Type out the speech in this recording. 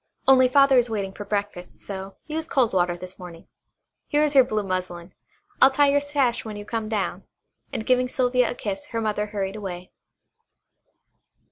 Only Father is waiting for breakfast, so use cold water this morning. Here is your blue muslin I'll tie your sash when you come down," and giving Sylvia a kiss her mother hurried away.